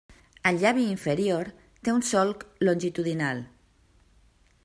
El llavi inferior té un solc longitudinal.